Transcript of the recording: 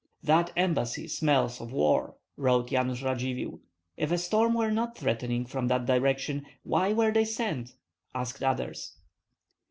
"That embassy smells of war," wrote Yanush Radzivill. "If a storm were not threatening from that direction, why were they sent?" asked others.